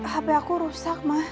hp aku rusak ma